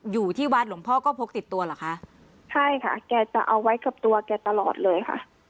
อยู่ที่วัดหลวงพ่อก็พกติดตัวเหรอคะใช่ค่ะแกจะเอาไว้กับตัวแกตลอดเลยค่ะ